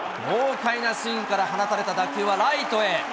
豪快なスイングから放たれた打球はライトへ。